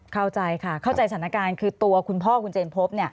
เข้าใจค่ะเข้าใจสถานการณ์คือตัวคุณพ่อคุณเจนพบ